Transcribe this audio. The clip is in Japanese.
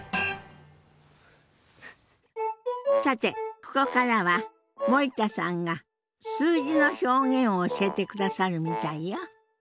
さてここからは森田さんが数字の表現を教えてくださるみたいよ。